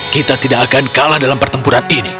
kita tidak akan kalah dalam pertempuran ini